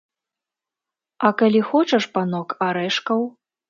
А калі хочаш, панок, арэшкаў?